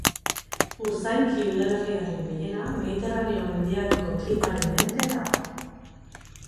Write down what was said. Urzainki udalerriaren gehiena mediterraneo mendialdeko klimaren menpe dago.